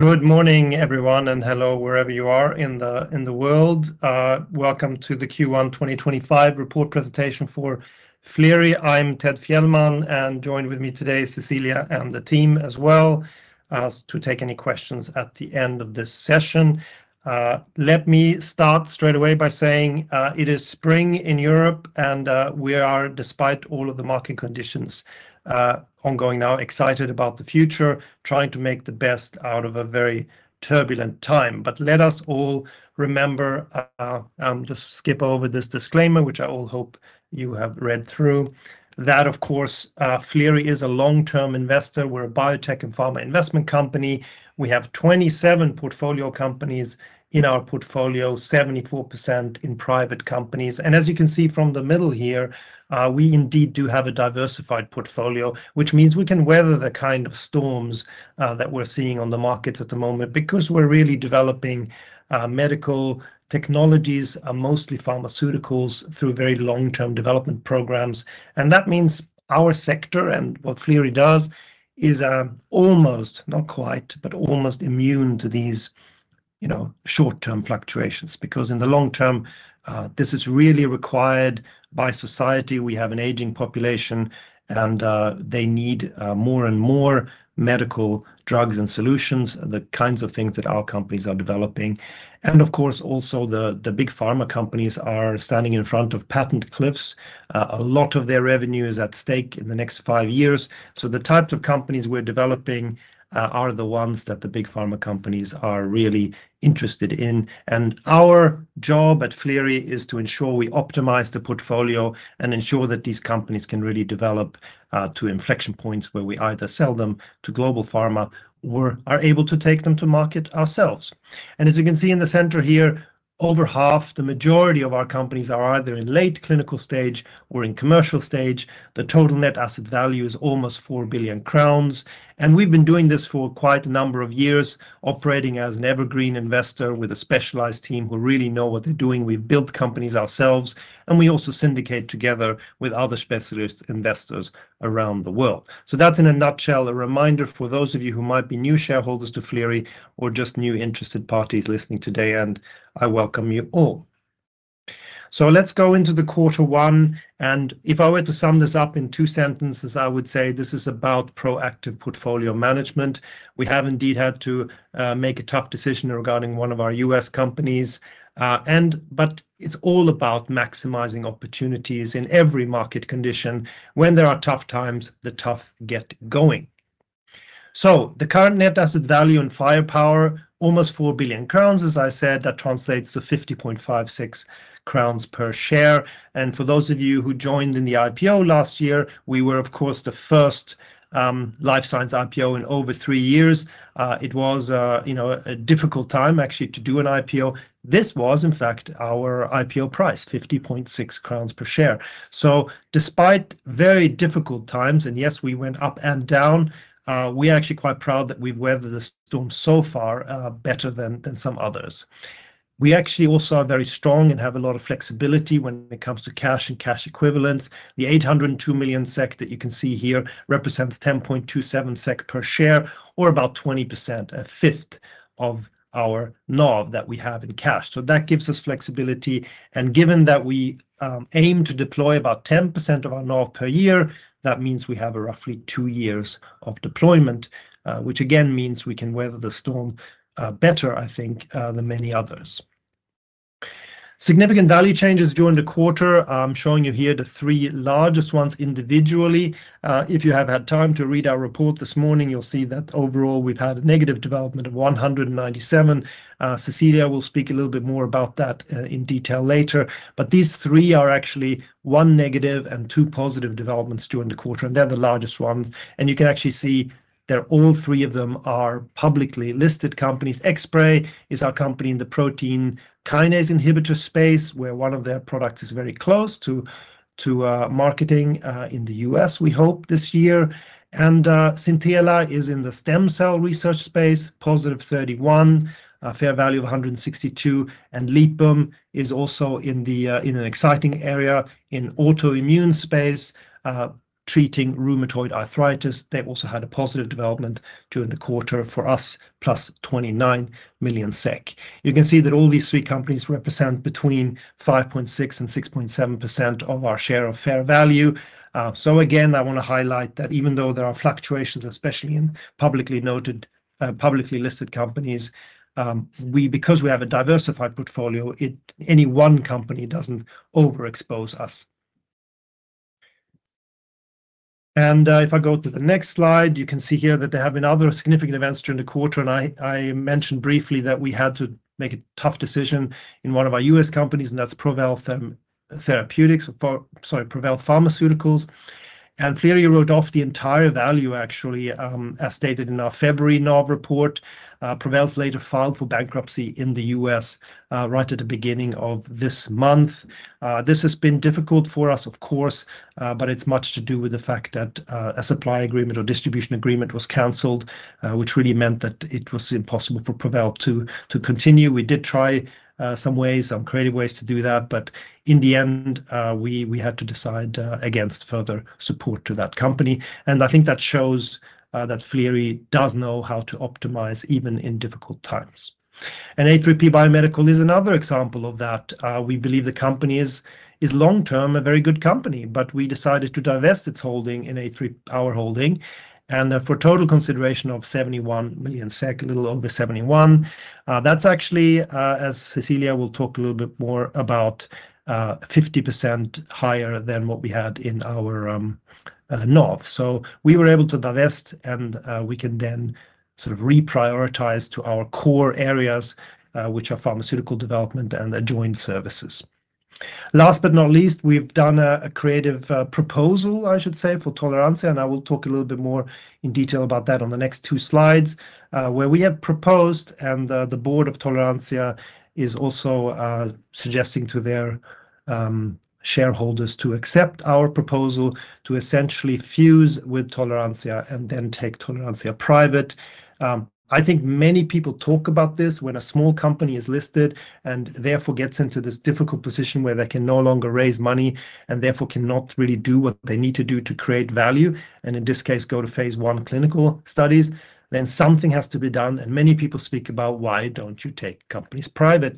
Good morning, everyone, and hello wherever you are in the world. Welcome to the Q1 2025 report presentation for Flerie. I'm Ted Fjällman, and joined with me today is Cecilia and the team as well to take any questions at the end of this session. Let me start straight away by saying it is spring in Europe, and we are, despite all of the market conditions ongoing now, excited about the future, trying to make the best out of a very turbulent time. Let us all remember, I'll just skip over this disclaimer, which I all hope you have read through, that, of course, Flerie is a long-term investor. We're a biotech and pharma investment company. We have 27 portfolio companies in our portfolio, 74% in private companies. As you can see from the middle here, we indeed do have a diversified portfolio, which means we can weather the kind of storms that we're seeing on the markets at the moment because we're really developing medical technologies, mostly pharmaceuticals, through very long-term development programs. That means our sector and what Flerie does is almost, not quite, but almost immune to these short-term fluctuations because in the long term, this is really required by society. We have an aging population, and they need more and more medical drugs and solutions, the kinds of things that our companies are developing. Of course, also the big pharma companies are standing in front of patent cliffs. A lot of their revenue is at stake in the next five years. The types of companies we're developing are the ones that the big pharma companies are really interested in. Our job at Flerie is to ensure we optimize the portfolio and ensure that these companies can really develop to inflection points where we either sell them to global pharma or are able to take them to market ourselves. As you can see in the center here, over half—the majority—of our companies are either in late clinical stage or in commercial stage. The total net asset value is almost 4 billion crowns. We have been doing this for quite a number of years, operating as an evergreen investor with a specialized team who really know what they are doing. We have built companies ourselves, and we also syndicate together with other specialist investors around the world. That is in a nutshell, a reminder for those of you who might be new shareholders to Flerie or just new interested parties listening today, and I welcome you all. Let's go into the quarter one. If I were to sum this up in two sentences, I would say this is about proactive portfolio management. We have indeed had to make a tough decision regarding one of our U.S. companies, but it's all about maximizing opportunities in every market condition. When there are tough times, the tough get going. The current net asset value and firepower, almost 4 billion crowns, as I said—that translates to 50.56 crowns per share. For those of you who joined in the IPO last year, we were, of course, the first life science IPO in over three years. It was a difficult time, actually, to do an IPO. This was, in fact, our IPO price: 50.6 crowns per share. Despite very difficult times, and yes, we went up and down, we are actually quite proud that we've weathered the storm so far better than some others. We actually also are very strong and have a lot of flexibility when it comes to cash and cash equivalents. The 802 million SEK that you can see here represents 10.27 SEK per share or about 20%, a fifth of our NAV that we have in cash. That gives us flexibility. Given that we aim to deploy about 10% of our NAV per year, that means we have roughly two years of deployment, which again means we can weather the storm better, I think, than many others. Significant value changes during the quarter. I'm showing you here the three largest ones individually. If you have had time to read our report this morning, you'll see that overall we've had a negative development of 197 million. Cecilia will speak a little bit more about that in detail later. These three are actually one negative and two positive developments during the quarter, and they're the largest ones. You can actually see that all three of them are publicly listed companies. Xspray is our company in the protein kinase inhibitor space, where one of their products is very close to marketing in the U.S., we hope this year. Xintela is in the stem cell research space, positive 31 million, fair value of 162 million. Lipum is also in an exciting area in the autoimmune space, treating rheumatoid arthritis. They also had a positive development during the quarter for us, plus 29 million SEK. You can see that all these three companies represent between 5.6% and 6.7% of our share of fair value. I want to highlight that even though there are fluctuations, especially in publicly listed companies, because we have a diversified portfolio, any one company does not overexpose us. If I go to the next slide, you can see here that there have been other significant events during the quarter. I mentioned briefly that we had to make a tough decision in one of our U.S. companies, and that is Provell Therapeutics—sorry, Provell Pharmaceuticals. Flerie wrote off the entire value, actually, as stated in our February NAV report. Provell later filed for bankruptcy in the U.S. right at the beginning of this month. This has been difficult for us, of course, but it's much to do with the fact that a supply agreement or distribution agreement was canceled, which really meant that it was impossible for Provell to continue. We did try some ways, some creative ways to do that, but in the end, we had to decide against further support to that company. I think that shows that Flerie does know how to optimize even in difficult times. A3P Biomedical is another example of that. We believe the company is long-term a very good company, but we decided to divest its holding in A3P Biomedical for a total consideration of 71 million SEK, a little over 71 million. That's actually, as Cecilia will talk a little bit more about, 50% higher than what we had in our NAV. We were able to divest, and we can then sort of reprioritize to our core areas, which are pharmaceutical development and adjoined services. Last but not least, we've done a creative proposal, I should say, for Toleranzia, and I will talk a little bit more in detail about that on the next two slides, where we have proposed, and the board of Toleranzia is also suggesting to their shareholders to accept our proposal to essentially fuse with Toleranzia and then take Toleranzia private. I think many people talk about this when a small company is listed and therefore gets into this difficult position where they can no longer raise money and therefore cannot really do what they need to do to create value, and in this case, go to phase I clinical studies, then something has to be done. Many people speak about, "Why do not you take companies private?"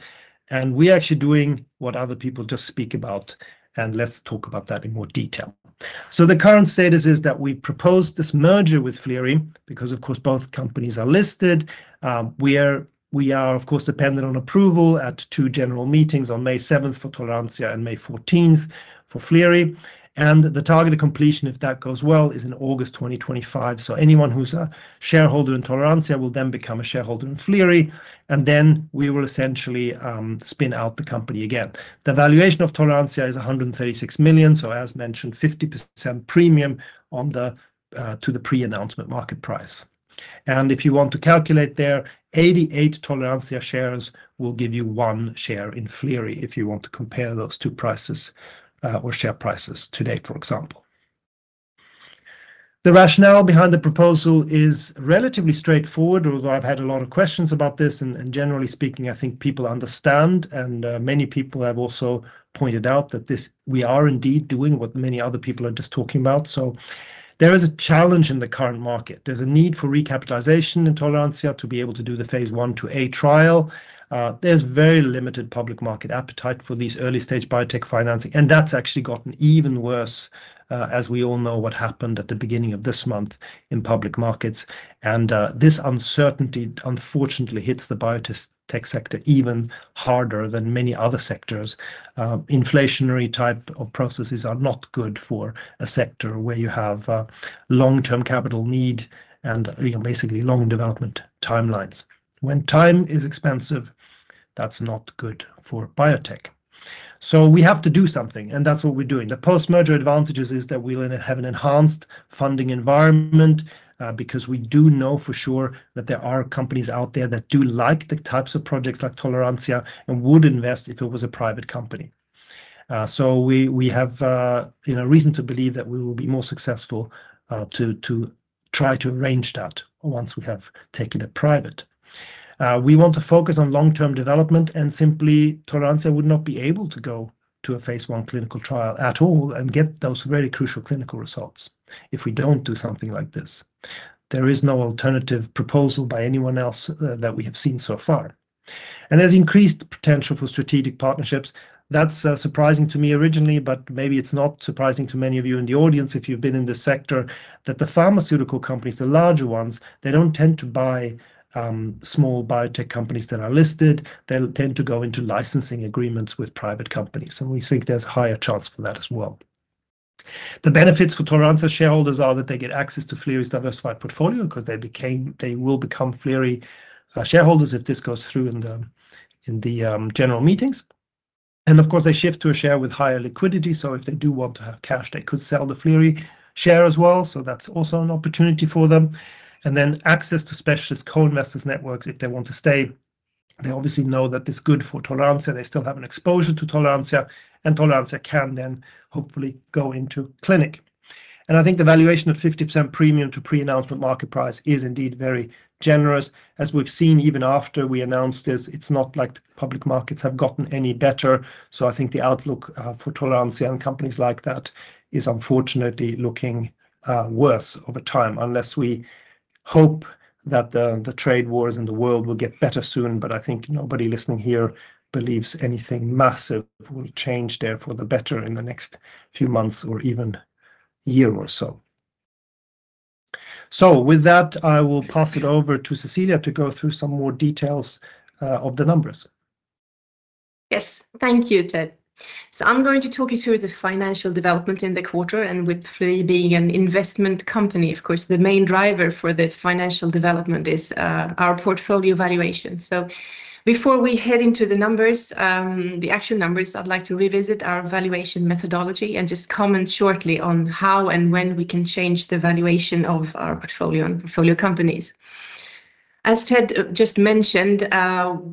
We are actually doing what other people just speak about, and let us talk about that in more detail. The current status is that we proposed this merger with Flerie because, of course, both companies are listed. We are, of course, dependent on approval at two general meetings on May 7 for Toleranzia and May 14 for Flerie. The targeted completion, if that goes well, is in August 2025. Anyone who is a shareholder in Toleranzia will then become a shareholder in Flerie, and we will essentially spin out the company again. The valuation of Toleranzia is 136 million—so as mentioned, 50% premium to the pre-announcement market price. If you want to calculate there, 88 Toleranzia shares will give you one share in Flerie if you want to compare those two prices or share prices today, for example. The rationale behind the proposal is relatively straightforward, although I've had a lot of questions about this. Generally speaking, I think people understand, and many people have also pointed out that we are indeed doing what many other people are just talking about. There is a challenge in the current market. There is a need for recapitalization in Toleranzia to be able to do the phase I to VIII trial. There is very limited public market appetite for these early-stage biotech financing, and that's actually gotten even worse as we all know what happened at the beginning of this month in public markets. This uncertainty, unfortunately, hits the biotech sector even harder than many other sectors. Inflationary type of processes are not good for a sector where you have long-term capital need and basically long development timelines. When time is expensive, that's not good for biotech. We have to do something, and that's what we're doing. The post-merger advantages is that we'll have an enhanced funding environment because we do know for sure that there are companies out there that do like the types of projects like Toleranzia and would invest if it was a private company. We have a reason to believe that we will be more successful to try to arrange that once we have taken it private. We want to focus on long-term development, and simply Toleranzia would not be able to go to a phase I clinical trial at all and get those very crucial clinical results if we don't do something like this. There is no alternative proposal by anyone else that we have seen so far. There is increased potential for strategic partnerships. That is surprising to me originally, but maybe it is not surprising to many of you in the audience if you have been in the sector—that the pharmaceutical companies, the larger ones, they do not tend to buy small biotech companies that are listed. They will tend to go into licensing agreements with private companies, and we think there is a higher chance for that as well. The benefits for Toleranzia shareholders are that they get access to Flerie's diversified portfolio because they will become Flerie shareholders if this goes through in the general meetings. Of course, they shift to a share with higher liquidity. If they do want to have cash, they could sell the Flerie share as well. That is also an opportunity for them. Then access to specialist co-investors' networks if they want to stay. They obviously know that it's good for Toleranzia. They still have an exposure to Toleranzia, and Toleranzia can then hopefully go into clinic. I think the valuation of 50% premium to pre-announcement market price is indeed very generous. As we've seen even after we announced this, it's not like public markets have gotten any better. I think the outlook for Toleranzia and companies like that is unfortunately looking worse over time, unless we hope that the trade wars in the world will get better soon. I think nobody listening here believes anything massive will change there for the better in the next few months or even a year or so. With that, I will pass it over to Cecilia to go through some more details of the numbers. Yes, thank you, Ted. I'm going to talk you through the financial development in the quarter. With Flerie being an investment company, of course, the main driver for the financial development is our portfolio valuation. Before we head into the numbers, the actual numbers, I'd like to revisit our valuation methodology and just comment shortly on how and when we can change the valuation of our portfolio and portfolio companies. As Ted just mentioned,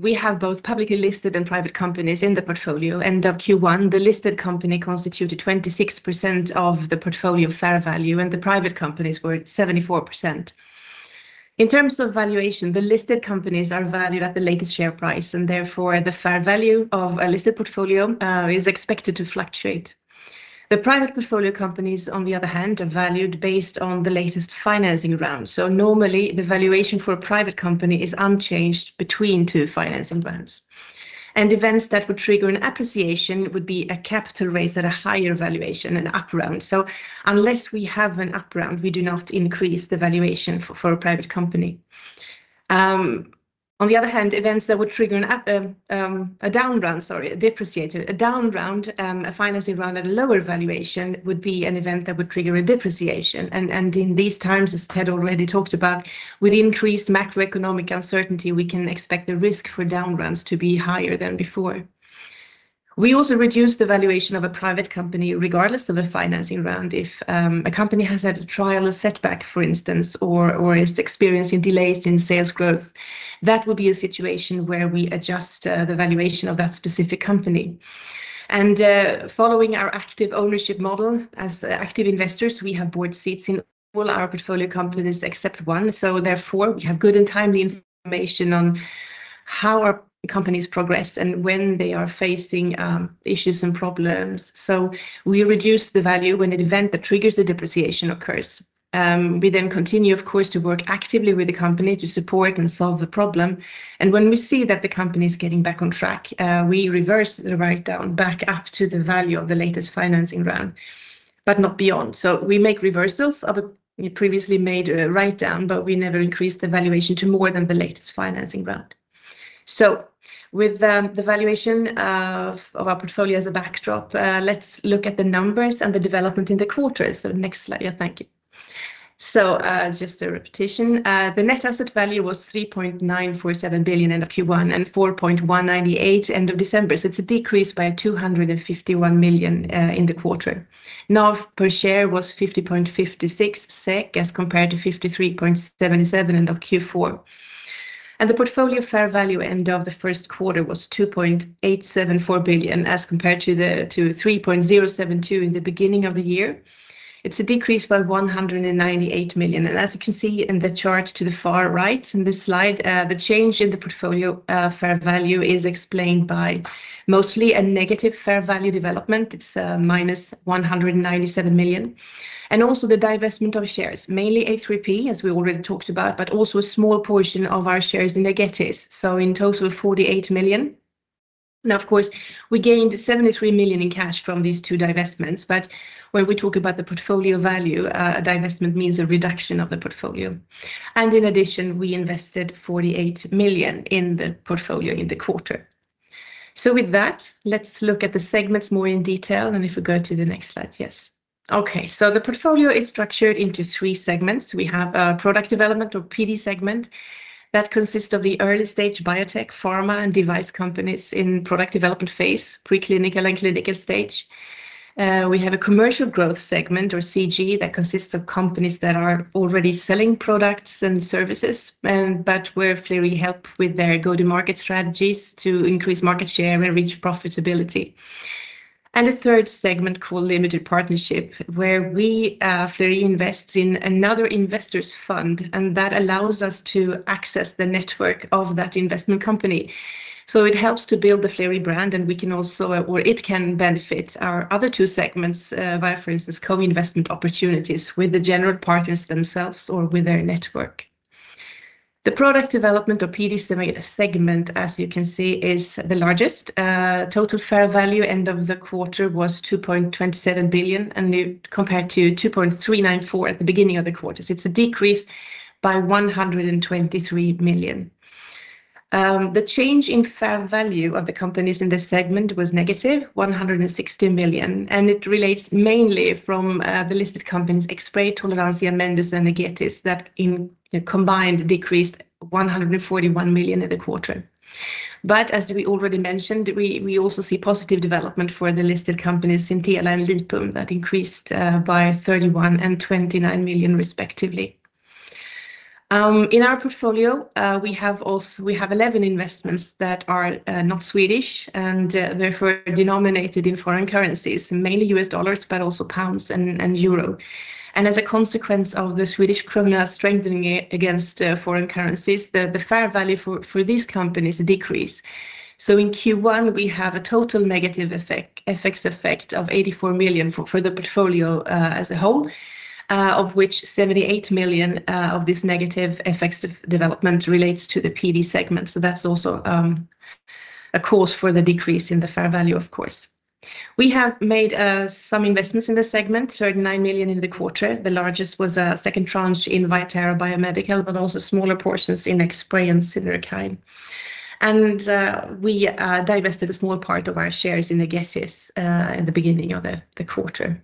we have both publicly listed and private companies in the portfolio. In Q1, the listed company constituted 26% of the portfolio fair value, and the private companies were 74%. In terms of valuation, the listed companies are valued at the latest share price, and therefore the fair value of a listed portfolio is expected to fluctuate. The private portfolio companies, on the other hand, are valued based on the latest financing round. Normally, the valuation for a private company is unchanged between two financing rounds. Events that would trigger an appreciation would be a capital raise at a higher valuation—an up round. Unless we have an up round, we do not increase the valuation for a private company. On the other hand, events that would trigger a down round, sorry, a depreciation—a down round, a financing round at a lower valuation would be an event that would trigger a depreciation. In these times, as Ted already talked about, with increased macroeconomic uncertainty, we can expect the risk for down rounds to be higher than before. We also reduce the valuation of a private company regardless of a financing round. If a company has had a trial or setback, for instance, or is experiencing delays in sales growth, that would be a situation where we adjust the valuation of that specific company. Following our active ownership model, as active investors, we have board seats in all our portfolio companies except one. Therefore, we have good and timely information on how our companies progress and when they are facing issues and problems. We reduce the value when an event that triggers the depreciation occurs. We then continue, of course, to work actively with the company to support and solve the problem. When we see that the company is getting back on track, we reverse the write-down back up to the value of the latest financing round, but not beyond. We make reversals of a previously made write-down, but we never increase the valuation to more than the latest financing round. With the valuation of our portfolio as a backdrop, let's look at the numbers and the development in the quarter. Next slide. Yeah, thank you. Just a repetition. The net asset value was 3.947 billion end of Q1 and 4.198 billion end of December. It's a decrease by 251 million in the quarter. NAV per share was 50.56 SEK as compared to 53.77 end of Q4. The portfolio fair value end of the Q1 was 2.874 billion as compared to 3.072 billion in the beginning of the year. It's a decrease by 198 million. As you can see in the chart to the far right in this slide, the change in the portfolio fair value is explained by mostly a negative fair value development. It's - 197 million. Also, the divestment of shares, mainly A3P, as we already talked about, but also a small portion of our shares in Egetis. In total, 48 million. Of course, we gained 73 million in cash from these two divestments, but when we talk about the portfolio value, a divestment means a reduction of the portfolio. In addition, we invested 48 million in the portfolio in the quarter. With that, let's look at the segments more in detail. If we go to the next slide—yes. The portfolio is structured into three segments. We have a Product Development or PD segment that consists of the early-stage biotech, pharma, and device companies in product development phase, preclinical and clinical stage. We have a Commercial Growth segment or CG that consists of companies that are already selling products and services, but where Flerie helps with their go-to-market strategies to increase market share and reach profitability. There is a third segment called Limited Partnership, where Flerie invests in another investor's fund, and that allows us to access the network of that investment company. It helps to build the Flerie brand, and we can also, or it can benefit our other two segments via, for instance, co-investment opportunities with the general partners themselves or with their network. The Product Development or PD segment, as you can see, is the largest. Total fair value end of the quarter was 2.27 billion, and compared to 2.394 billion at the beginning of the quarter, it's a decrease by 123 million. The change in fair value of the companies in this segment was -160 million, and it relates mainly from the listed companies Xspray, Toleranzia, Mendus, and the Egetis that in combined decreased 141 million in the quarter. As we already mentioned, we also see positive development for the listed companies Xintela and Lipum that increased by 31 million and 29 million, respectively. In our portfolio, we have 11 investments that are not Swedish and therefore denominated in foreign currencies, mainly U.S. dollars, but also pounds and euro. As a consequence of the Swedish krona strengthening against foreign currencies, the fair value for these companies decreased. In Q1, we have a total negative effect FX effect of 84 million for the portfolio as a whole, of which 78 million of this negative FX development relates to the PD segment. That is also a cause for the decrease in the fair value, of course. We have made some investments in the segment—SEK 39 million in the quarter. The largest was a second tranche in Vitri Biomedical, but also smaller portions in Xspray and Synerkine. We divested a small part of our shares in the Egetis in the beginning of the quarter.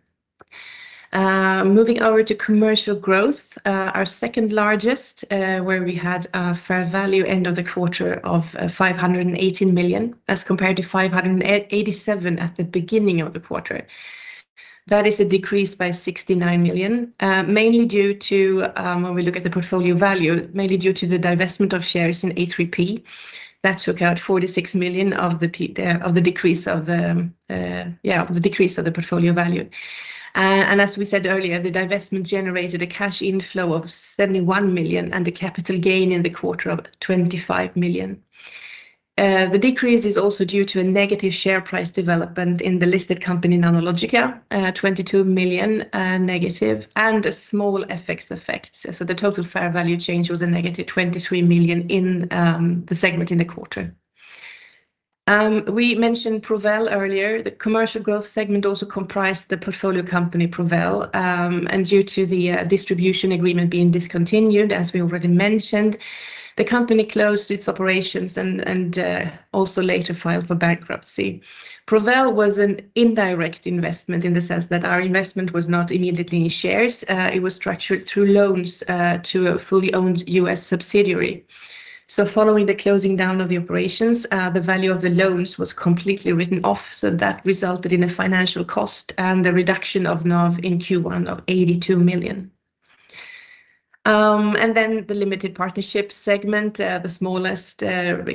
Moving over to commercial growth, our second largest, where we had a fair value end of the quarter of 518 million as compared to 587 million at the beginning of the quarter. That is a decrease by 69 million, mainly due to—when we look at the portfolio value, mainly due to the divestment of shares in A3P that took out 46 million of the decrease of the, yeah, of the decrease of the portfolio value. As we said earlier, the divestment generated a cash inflow of 71 million and the capital gain in the quarter of 25 million. The decrease is also due to a negative share price development in the listed company Nanologica, 22 million and a small FX effect. The total fair value change was a -23 million in the segment in the quarter. We mentioned Provell earlier. The commercial growth segment also comprised the portfolio company Provell. Due to the distribution agreement being discontinued, as we already mentioned—the company closed its operations and also later filed for bankruptcy. Provell was an indirect investment in the sense that our investment was not immediately in shares. It was structured through loans to a fully owned U.S. subsidiary. Following the closing down of the operations, the value of the loans was completely written off. That resulted in a financial cost and the reduction of NAV in Q1 of 82 million. The Limited Partnership segment, the smallest,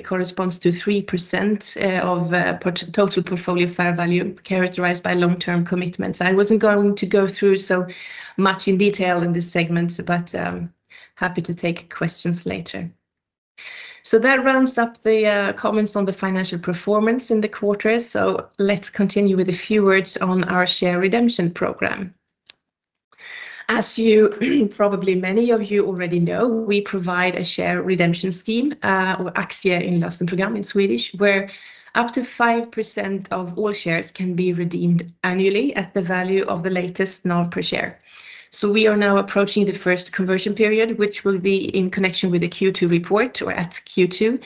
corresponds to 3% of total portfolio fair value characterized by long-term commitments. I was not going to go through so much in detail in this segment, but happy to take questions later. That rounds up the comments on the financial performance in the quarter. Let's continue with a few words on our share redemption program. As you, probably many of you already know, we provide a share redemption scheme or aktieinlösenprogram in Swedish—where up to 5% of all shares can be redeemed annually at the value of the latest NAV per share. We are now approaching the first conversion period, which will be in connection with the Q2 report or at Q2.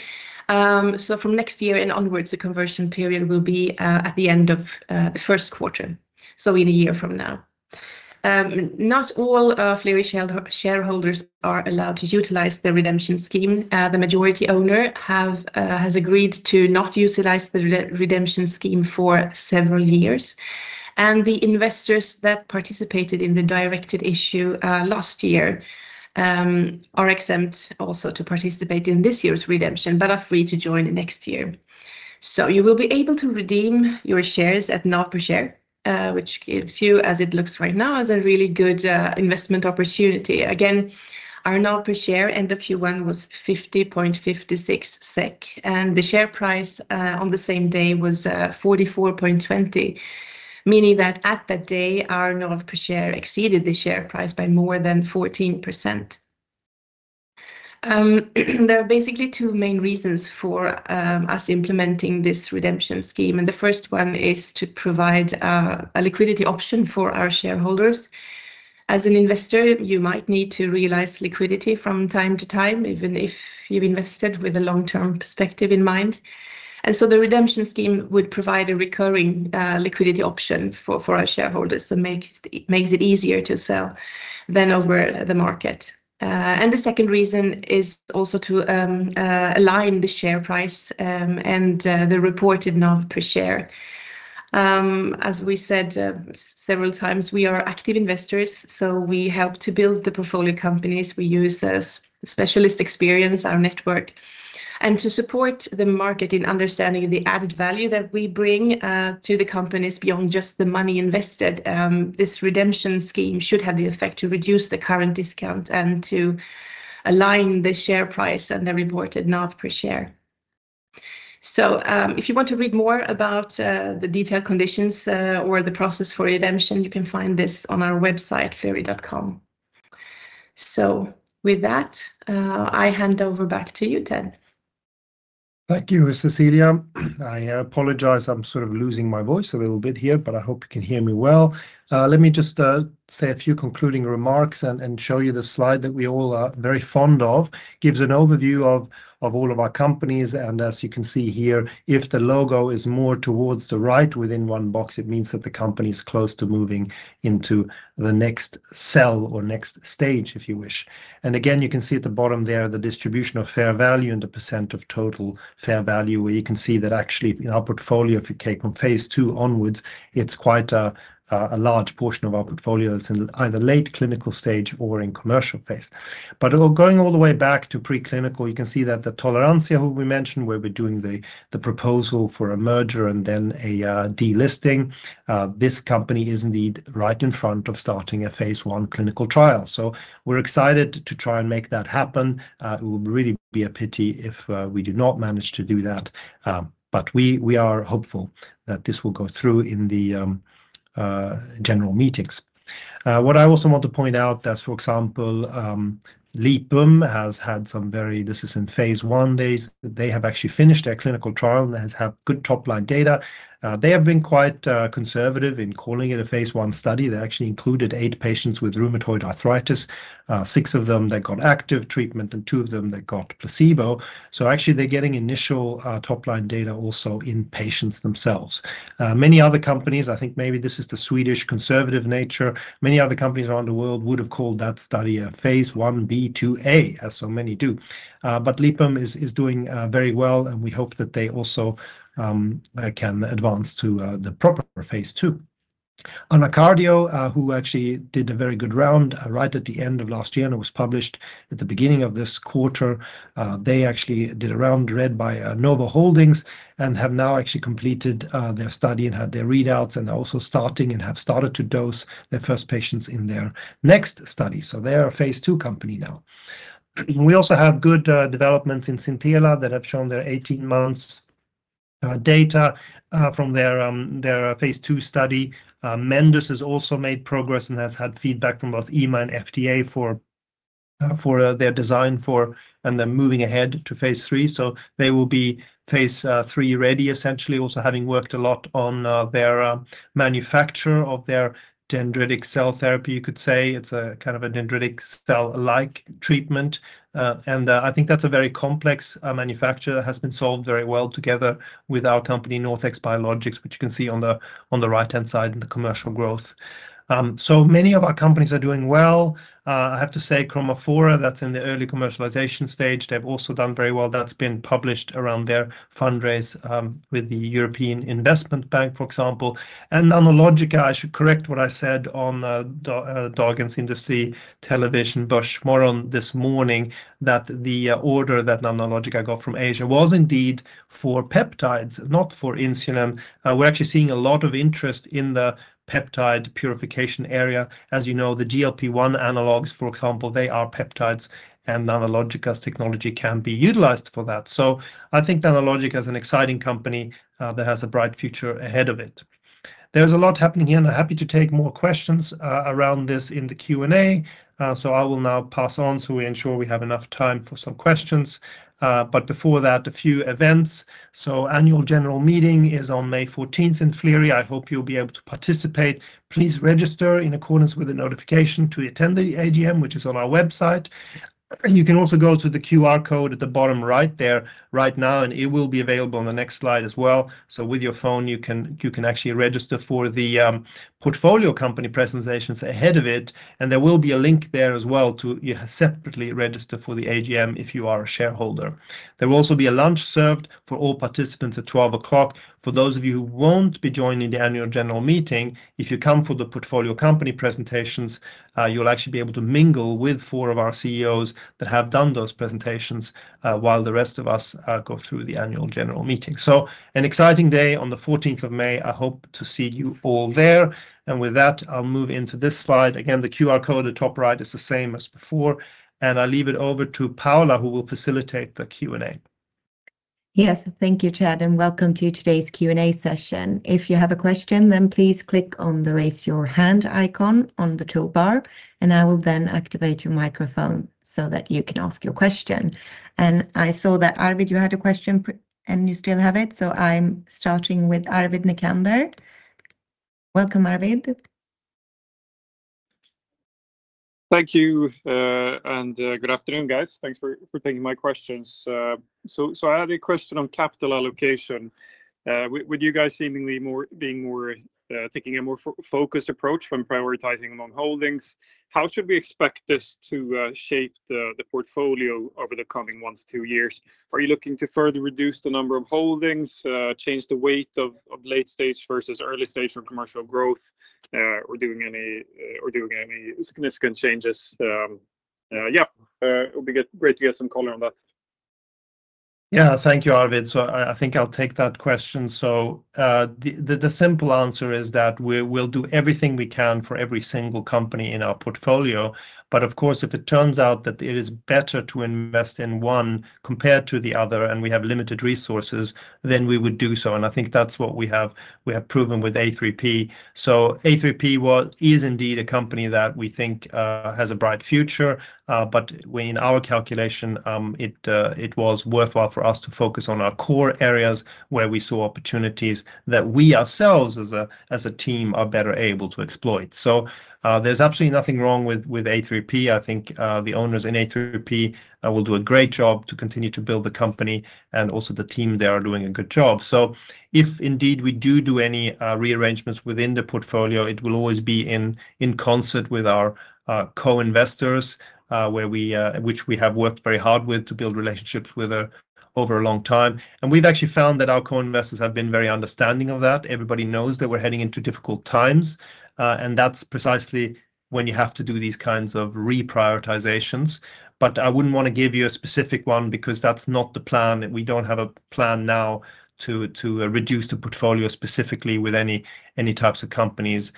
From next year and onwards, the conversion period will be at the end of the Q1, in a year from now. Not all Flerie shareholders are allowed to utilize the redemption scheme. The majority owner has agreed to not utilize the redemption scheme for several years. The investors that participated in the directed issue last year are exempt also to participate in this year's redemption, but are free to join next year. You will be able to redeem your shares at NAV per share, which gives you, as it looks right now—a really good investment opportunity. Again, our NAV per share end of Q1 was 50.56 SEK, and the share price on the same day was 44.20, meaning that at that day, our NAV per share exceeded the share price by more than 14%. There are basically two main reasons for us implementing this redemption scheme. The first one is to provide a liquidity option for our shareholders. As an investor, you might need to realize liquidity from time to time, even if you've invested with a long-term perspective in mind. The redemption scheme would provide a recurring liquidity option for our shareholders and makes it easier to sell than over the market. The second reason is also to align the share price and the reported NAV per share. As we said several times, we are active investors, so we help to build the portfolio companies. We use specialist experience, our network, and to support the market in understanding the added value that we bring to the companies beyond just the money invested. This redemption scheme should have the effect to reduce the current discount and to align the share price and the reported NAV per share. If you want to read more about the detailed conditions or the process for redemption, you can find this on our website, flerie.com. With that, I hand over back to you, Ted. Thank you, Cecilia. I apologize. I'm sort of losing my voice a little bit here, but I hope you can hear me well. Let me just say a few concluding remarks and show you the slide that we all are very fond of. It gives an overview of all of our companies. As you can see here, if the logo is more towards the right within one box, it means that the company is close to moving into the next cell or next stage, if you wish. Again, you can see at the bottom there the distribution of fair value and the percent of total fair value, where you can see that actually in our portfolio, if you take from phase II onwards, it is quite a large portion of our portfolio that is in either late clinical stage or in commercial phase. Going all the way back to preclinical, you can see that Toleranzia, who we mentioned, where we're doing the proposal for a merger and then a delisting, this company is indeed right in front of starting a phase I clinical trial. We are excited to try and make that happen. It would really be a pity if we do not manage to do that. We are hopeful that this will go through in the general meetings. What I also want to point out is, for example, Lipum has had some very, this is in phase I. They have actually finished their clinical trial and have good top-line data. They have been quite conservative in calling it a phase I study. They actually included eight patients with rheumatoid arthritis, six of them that got active treatment and two of them that got placebo. Actually, they're getting initial top-line data also in patients themselves. Many other companies, I think maybe this is the Swedish conservative nature, many other companies around the world would have called that study a phase Ib/IIa, as so many do. But Lipum is doing very well, and we hope that they also can advance to the proper phase II. Anacardio, who actually did a very good round right at the end of last year and was published at the beginning of this quarter, they actually did a round led by Novo Holdings and have now actually completed their study and had their readouts and are also starting and have started to dose their first patients in their next study. They're a phase II company now. We also have good developments in Xintela that have shown their 18-months data from their phase II study. Mendus has also made progress and has had feedback from both EMA and FDA for their design and then moving ahead to phase III. They will be phase III-ready, essentially, also having worked a lot on their manufacture of their dendritic cell therapy, you could say. It is a kind of a dendritic cell-like treatment. I think that is a very complex manufacture that has been solved very well together with our company, NorthX Biologics, which you can see on the right-hand side in the Commercial Growth. Many of our companies are doing well. I have to say Chromafora, that is in the early commercialization stage. They have also done very well. That has been published around their fundraise with the European Investment Bank, for example. Nanologica, I should correct what I said on Dagens Industri Television Börsmorgon this morning, that the order that Nanologica got from Asia was indeed for peptides, not for insulin. We're actually seeing a lot of interest in the peptide purification area. As you know, the GLP-1 analogs, for example—they are peptides, and Nanologica's technology can be utilized for that. I think Nanologica is an exciting company that has a bright future ahead of it. There's a lot happening here, and I'm happy to take more questions around this in the Q&A. I will now pass on so we ensure we have enough time for some questions. Before that, a few events. The Annual General Meeting is on May 14th in Flerie. I hope you'll be able to participate. Please register in accordance with the notification to attend the AGM, which is on our website. You can also go to the QR code at the bottom right there right now, and it will be available on the next slide as well. With your phone, you can actually register for the portfolio company presentations ahead of it. There will be a link there as well to separately register for the AGM if you are a shareholder. There will also be a lunch served for all participants at 12:00PM For those of you who won't be joining the Annual General Meeting, if you come for the portfolio company presentations, you'll actually be able to mingle with four of our CEOs that have done those presentations while the rest of us go through the Annual General Meeting. An exciting day on the 14th of May. I hope to see you all there. With that, I'll move into this slide. Again, the QR code at the top right is the same as before. I'll leave it over to Paula, who will facilitate the Q&A. Yes, thank you, Ted, and welcome to today's Q&A session. If you have a question, then please click on the raise your hand icon on the toolbar, and I will then activate your microphone so that you can ask your question. I saw that Arvid, you had a question, and you still have it. I'm starting with Arvid Necander. Welcome, Arvid. Thank you, and good afternoon, guys. Thanks for taking my questions. I had a question on capital allocation. With you guys seemingly being more taking a more focused approach when prioritizing among holdings, how should we expect this to shape the portfolio over the coming one to two years? Are you looking to further reduce the number of holdings, change the weight of late stage versus early stage for Commercial Growth, or doing any significant changes? Yeah, it would be great to get some color on that. Yeah, thank you, Arvid. I think I'll take that question. The simple answer is that we'll do everything we can for every single company in our portfolio. Of course, if it turns out that it is better to invest in one compared to the other and we have limited resources, then we would do so. I think that's what we have proven with A3P. A3P is indeed a company that we think has a bright future, but in our calculation, it was worthwhile for us to focus on our core areas where we saw opportunities that we ourselves as a team are better able to exploit. There is absolutely nothing wrong with A3P. I think the owners in A3P will do a great job to continue to build the company and also the team. They are doing a good job. If indeed we do do any rearrangements within the portfolio, it will always be in concert with our co-investors, which we have worked very hard with to build relationships with over a long time. We have actually found that our co-investors have been very understanding of that. Everybody knows that we are heading into difficult times, and that is precisely when you have to do these kinds of reprioritizations. I would not want to give you a specific one because that is not the plan. We do not have a plan now to reduce the portfolio specifically with any types of companies.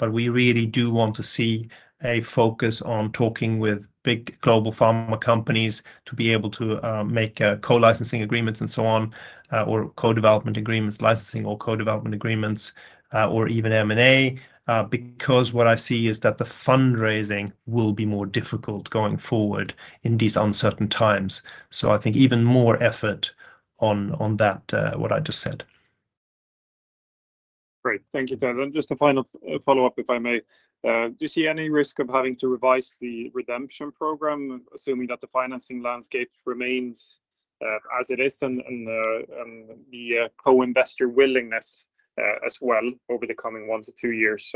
We really do want to see a focus on talking with big global pharma companies to be able to make co-licensing agreements and so on, or co-development agreements, licensing or co-development agreements, or even M&A, because what I see is that the fundraising will be more difficult going forward in these uncertain times. I think even more effort on that, what I just said. Great. Thank you, Ted. Just a final follow-up, if I may. Do you see any risk of having to revise the redemption program, assuming that the financing landscape remains as it is and the co-investor willingness as well over the coming one to two years?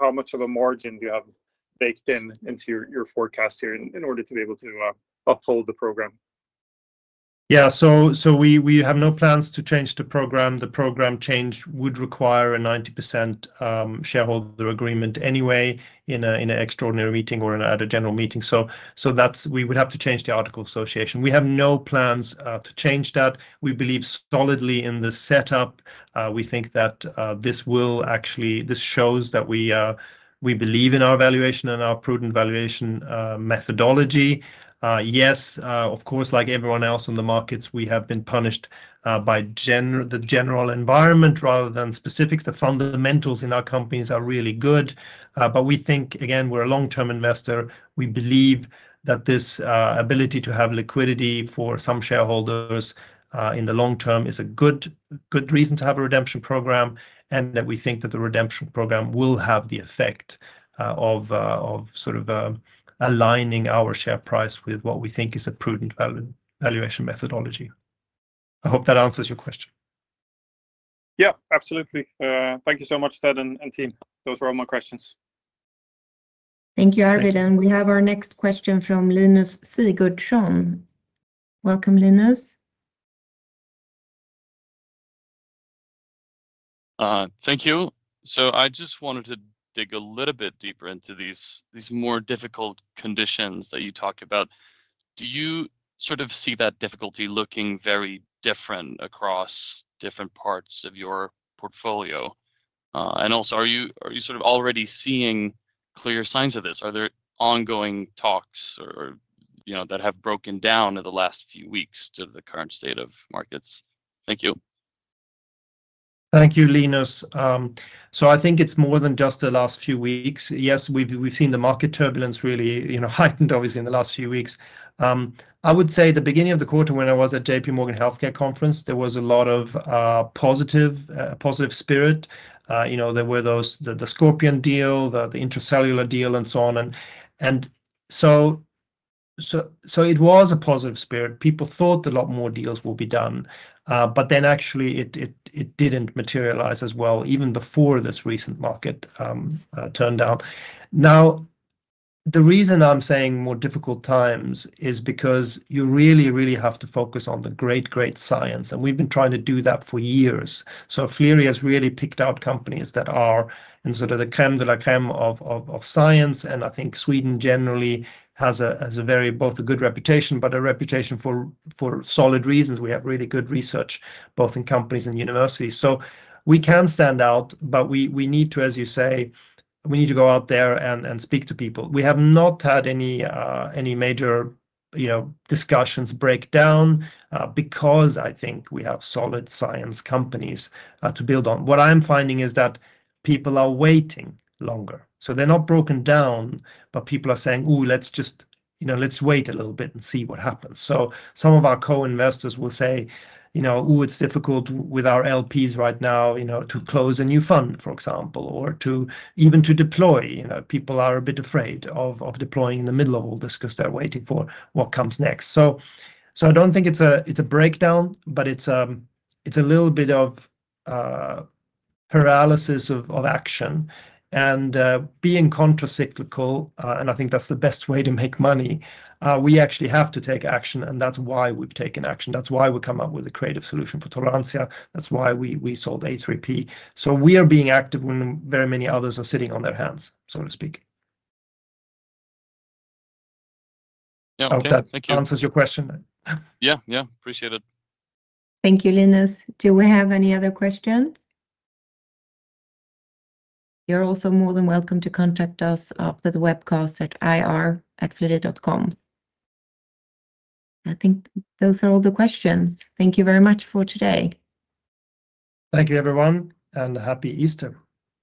How much of a margin do you have baked in into your forecast here in order to be able to uphold the program? Yeah, we have no plans to change the program. The program change would require a 90% shareholder agreement anyway in an extraordinary meeting or at a general meeting. We would have to change the Article of Association. We have no plans to change that. We believe solidly in the setup. We think that this will actually show that we believe in our valuation and our prudent valuation methodology. Yes, of course, like everyone else in the markets, we have been punished by the general environment rather than specifics. The fundamentals in our companies are really good. We think, again, we're a long-term investor. We believe that this ability to have liquidity for some shareholders in the long term is a good reason to have a redemption program and that we think that the redemption program will have the effect of sort of aligning our share price with what we think is a prudent valuation methodology. I hope that answers your question. Yeah, absolutely. Thank you so much, Ted and team. Those were all my questions. Thank you, Arvid. We have our next question from Linus Sigurdson. Welcome, Linus. Thank you. I just wanted to dig a little bit deeper into these more difficult conditions that you talk about. Do you sort of see that difficulty looking very different across different parts of your portfolio? Also, are you sort of already seeing clear signs of this? Are there ongoing talks that have broken down in the last few weeks to the current state of markets? Thank you. Thank you, Linus. I think it's more than just the last few weeks. Yes, we've seen the market turbulence really heightened, obviously, in the last few weeks. I would say the beginning of the quarter when I was at JPMorgan Healthcare Conference, there was a lot of positive spirit. There were the Scorpion deal, the Intra-Cellular deal, and so on. It was a positive spirit. People thought a lot more deals will be done. Actually, it didn't materialize as well even before this recent market turned down. The reason I'm saying more difficult times is because you really, really have to focus on the great, great science. We've been trying to do that for years. Flerie has really picked out companies that are in sort of the crème de la crème of science. I think Sweden generally has both a good reputation, but a reputation for solid reasons. We have really good research both in companies and universities. We can stand out, but we need to, as you say, we need to go out there and speak to people. We have not had any major discussions break down because I think we have solid science companies to build on. What I'm finding is that people are waiting longer. They're not broken down, but people are saying, "Ooh, let's wait a little bit and see what happens." Some of our co-investors will say, "Ooh, it's difficult with our LPs right now to close a new fund, for example, or even to deploy." People are a bit afraid of deploying in the middle of all this because they're waiting for what comes next. I don't think it's a breakdown, but it's a little bit of paralysis of action. Being contracyclical, and I think that's the best way to make money, we actually have to take action. That's why we've taken action. That's why we come up with a creative solution for Toleranzia. That's why we sold A3P. We are being active when very many others are sitting on their hands, so to speak. I hope that answers your question. Yeah, yeah. Appreciate it. Thank you, Linus. Do we have any other questions? You're also more than welcome to contact us after the webcast at ir@flerie.com. I think those are all the questions. Thank you very much for today. Thank you, everyone. Happy Easter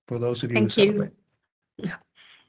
for those of you who celebrate. Thank you. Yeah.